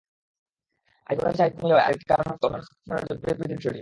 আইফোনের চাহিদা কমে যাওয়ার আরেকটি কারণ হচ্ছে অন্যান্য স্মার্টফোনের জনপ্রিয়তা বৃদ্ধির বিষয়টি।